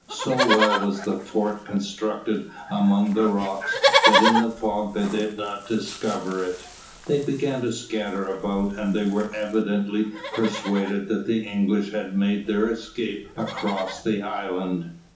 So well was the fort constructed among the rocks, that in the fog they did not discover it. They began to scatter about; they were evidently persuaded that the English had made their escape across the island.